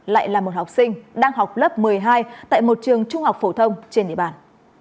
lại là một học sinh đang học lớp một mươi hai tại một trường trung học phổ thông trên địa bàn